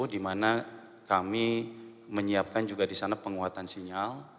dimana kami menyiapkan juga di sana penguatan sinyal